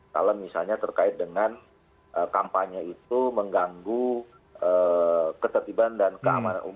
kalau misalnya terkait dengan kampanye itu mengganggu ketertiban dan keamanan umum